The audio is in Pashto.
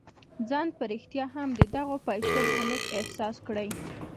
ځان په رښتيا هم د دغو پيسو مالک احساس کړئ.